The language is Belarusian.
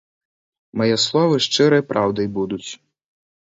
Мае словы шчырай праўдай будуць.